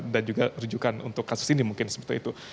dan juga rujukan untuk kasus ini mungkin sebetulnya itu